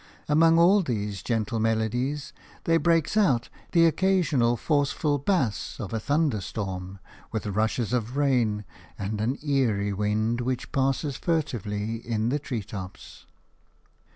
Among all these gentle melodies there breaks out the occasional forceful bass of a thunderstorm, with rushes of rain and an eerie wind which passes furtively in the tree tops.